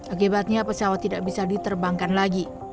akibatnya pesawat tidak bisa diterbangkan lagi